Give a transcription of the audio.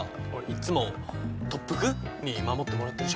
いっつも特服？に守ってもらってるじゃん。